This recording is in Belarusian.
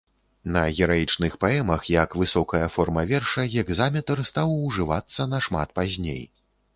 У гераічных паэмах, як высокая форма верша, гекзаметр стаў ужывацца нашмат пазней.